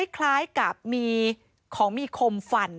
คล้ายกับมีของมีคมฟัน